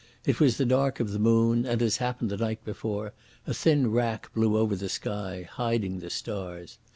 It was the dark of the moon, and, as had happened the night before, a thin wrack blew over the sky, hiding the stars.